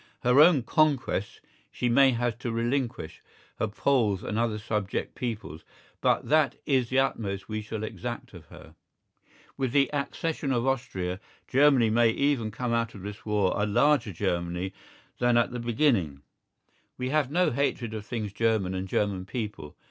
Her own "conquests" she may have to relinquish, her Poles and other subject peoples, but that is the utmost we shall exact of her. With the accession of Austria, Germany may even come out of this war a larger Germany than at the beginning. We have no hatred of things German and German people.